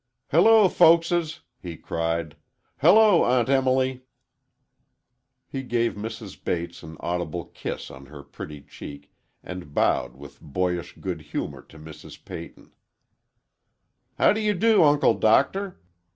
"Hello, folkses," he cried; "Hello, Aunt Emily." He gave Mrs. Bates an audible kiss on her pretty cheek and bowed with boyish good humor to Mrs. Peyton. "How do you do, Uncle Doctor?"